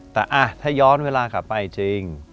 แต่ถ้าย้อนเวลากลับไปจริง